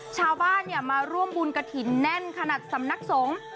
ชาวบ้านมาร่วมบุญกระถิ่นแน่นขนาดสำนักสงฆ์